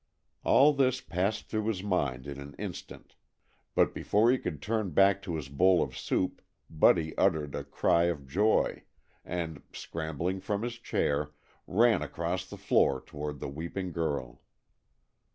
All this passed through his mind in an instant, but before he could turn back to his bowl of soup Buddy uttered a cry of joy and, scrambling from his chair, ran across the floor toward the weeping girl.